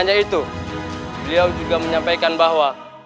hanya itu beliau juga menyampaikan bahwa